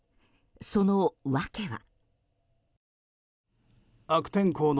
その訳は。